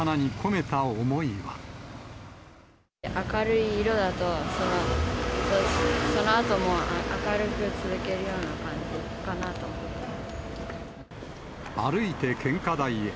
明るい色だと、そのあとも、明るく続けるような感じかなと思ったので。